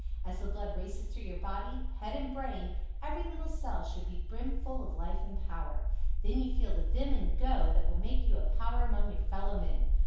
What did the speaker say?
As the blood races through your body head and brain, every little cell should be brim full of life and power. Then you feel the vim and "go" that will make you a power among your fellow men.